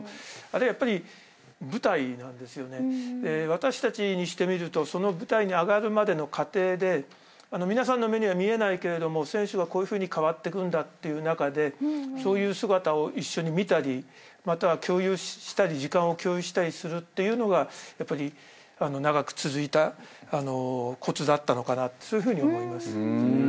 私たちにしてみるとその舞台に上がるまでの過程で皆さんの目には見えないけれど選手はこういうふうに変わってくんだっていう中でそういう姿を一緒に見たりまたは共有したり時間を共有したりするっていうのがやっぱり長く続いたコツだったのかなってそういうふうに思います。